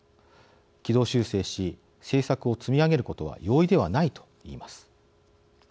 軌道修正し政策を積み上げることは容易ではない」といいます。